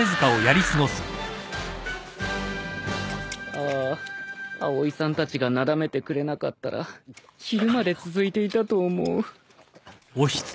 ああアオイさんたちがなだめてくれなかったら昼まで続いていたと思う。